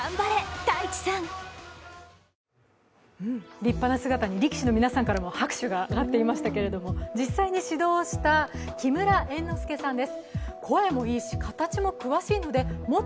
立派な姿に、力士の皆さんからも拍手が上がっていましたけども実際に指導した木村猿ノ助さんです。